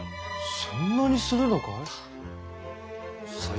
そんなにするのかい？